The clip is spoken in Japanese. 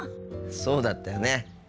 そうだったよね。